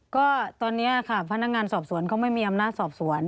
ก็ตอนนี้ค่ะพนักงานสอบสวนเขาไม่มีอำนาจสอบสวน